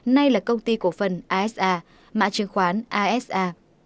nay là công ty cổ phần asa mã chứng khoán asa